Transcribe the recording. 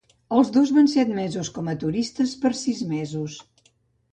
Els dos van ser admesos com a turistes per sis mesos.